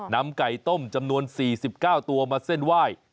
นำไก่ต้มจำนวน๔๙ตัวมาเส้นไหว้